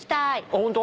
ホント？